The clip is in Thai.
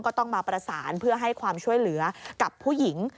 ก็ต้องมาประสานเพื่อให้ความช่วยเหลือกับผู้หญิง